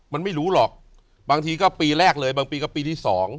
มันไม่รู้หรอกบางทีก็ปีแรกเลยบางปีก็ปีที่๒